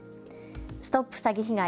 ＳＴＯＰ詐欺被害！